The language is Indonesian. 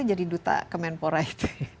jadi duta kemenpora itu